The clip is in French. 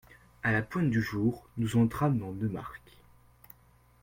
À la pointe du jour, nous entrâmes dans Neumark.